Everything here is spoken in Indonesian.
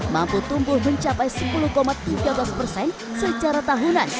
mampu tumbuh mencapai sepuluh tiga belas persen secara tahunan